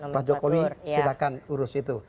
pak jokowi silahkan urus itu